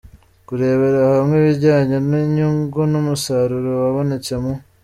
Kurebera hamwe ibijyanye n’inyungu n’umusaruro wabonetse mu.